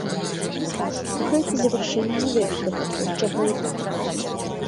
Гэта завяршэнне вялікага творчага этапу.